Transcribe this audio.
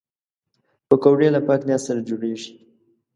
پکورې له پاک نیت سره جوړېږي